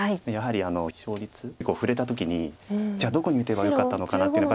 やはり勝率振れた時にじゃあどこに打てばよかったのかなって。